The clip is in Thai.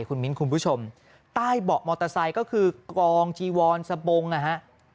คุณมิ้นคุณผู้ชมใต้เบาะมอเตอร์ไซค์ก็คือกองจีวอนสะบงนะฮะ